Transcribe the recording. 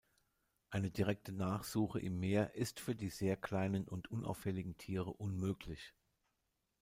Eine direkte Nachsuche im Meer ist für die sehr kleinen und unauffälligen Tiere unmöglich.